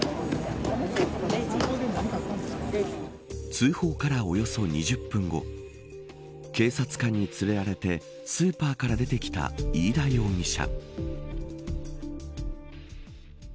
通報からおよそ２０分後警察官に連れられてスーパーから出てきた飯田容疑者。